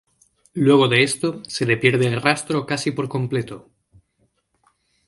Luego de esto, se le pierde el rastro casi por completo.